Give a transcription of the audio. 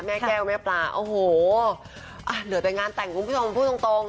แม่แก้วแม่ปลาอ๋อโหห่อขอบคุณผู้ตรง